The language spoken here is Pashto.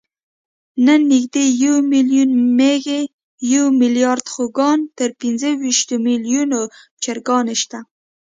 نن نږدې یو میلیون مېږې، یو میلیارد خوګان، تر پینځهویشتو میلیونو چرګان شته.